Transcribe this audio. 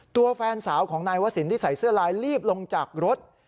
ตัวแฟนสาวของนายวสินที่ใส่เสื้อลายรีบลงจากรถ